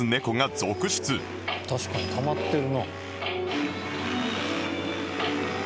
確かにたまってるな。